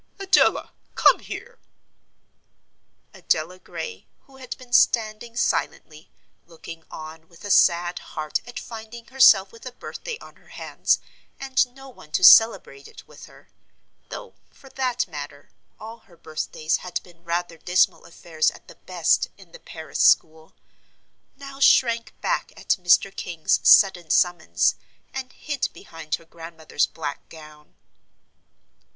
Adela, come here." Adela Gray, who had been standing silently, looking on with a sad heart at finding herself with a birthday on her hands, and no one to celebrate it with her, though for that matter all her birthdays had been rather dismal affairs at the best, in the Paris school, now shrank back at Mr. King's sudden summons, and hid behind her grandmother's black gown.